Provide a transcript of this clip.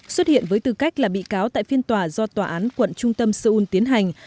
xuất hiện với tư cách là bị cáo tại phiên tòa do tòa án quận trung tâm seoul tiến hành